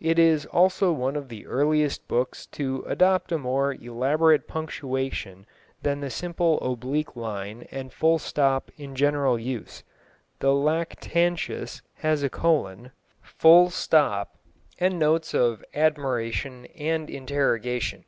It is also one of the earliest books to adopt a more elaborate punctuation than the simple oblique line and full stop in general use. The Lactantius has a colon, full stop, and notes of admiration and interrogation.